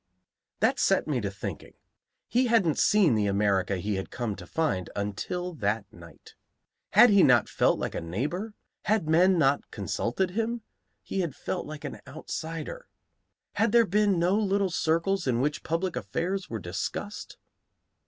That set me to thinking. He hadn't seen the America he had come to find until that night. Had he not felt like a neighbor? Had men not consulted him? He had felt like an outsider. Had there been no little circles in which public affairs were discussed?